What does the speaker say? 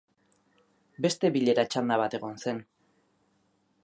Beste bilera txanda bat egon zen.